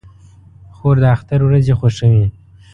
خور د اختر ورځې خوښوي.